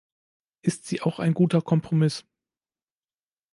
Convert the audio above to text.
Ist sie auch ein guter Kompromiss?